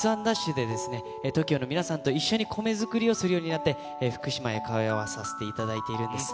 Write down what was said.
で、ＴＯＫＩＯの皆さんと一緒に米作りをするようになって、福島へ通わさせていただいているんです。